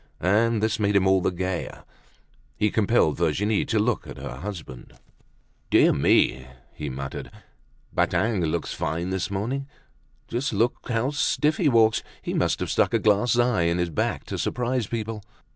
And this made him all the gayer. He compelled Virginie to look at her husband. "Dear me," he muttered, "Badingue looks fine this morning! Just look, see how stiff he walks. He must have stuck a glass eye in his back to surprise people."